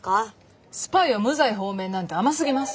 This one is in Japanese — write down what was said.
スパイを無罪放免なんて甘すぎます。